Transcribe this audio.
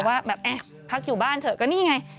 ว่าแบบพักอยู่บ้านเถอะก็นี่ไง